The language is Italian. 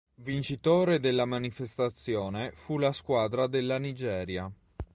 Vincitore della manifestazione fu la squadra della Nigeria.